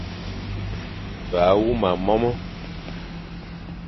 Ve a huma mome,